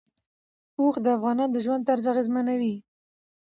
اوښ د افغانانو د ژوند طرز اغېزمنوي.